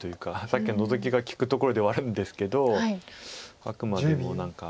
さっきのノゾキが利くところではあるんですけどあくまでも何か。